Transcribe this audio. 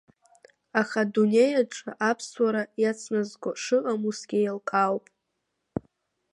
Аха, адунеи аҿы аԥсуара иацназго шыҟам усгьы еилкаауп.